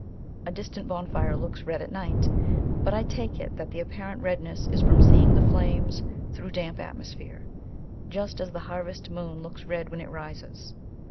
A distant bonfire looks red at night, but I take it that the apparent redness is from seeing the flames through damp atmosphere, just as the harvest moon looks red when it rises.